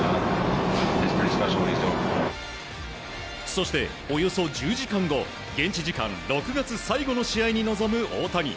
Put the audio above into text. そして、およそ１０時間後現地時間６月最後の試合に臨む大谷。